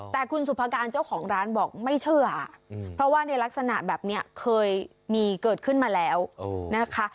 แต่คุณสุภาการเจ้าของร้านบอกไม่เชื่อเพราะว่าในลักษณะแบบนี้เคยมีเกิดขึ้นมาแล้วนะคะ